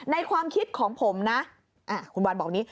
ในความคิดของผมนะอ่ะคุณวันบอกนี้